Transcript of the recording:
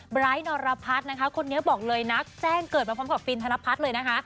ไร้นรพัฒน์นะคะคนนี้บอกเลยนักแจ้งเกิดมาพร้อมกับฟินธนพัฒน์เลยนะคะ